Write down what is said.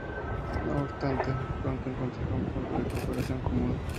No obstante, pronto encontrarían un punto de cooperación común.